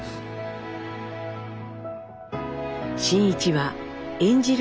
真一は演じる